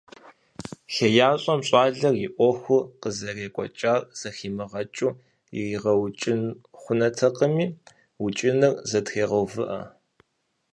ХеящӀэм щӀалэм и Ӏуэхур къызэрекӀуэкӀар зэхимыгъэкӀыу иригъэукӀ хъунутэкъыми, укӀыныр зэтрегъэувыӀэ.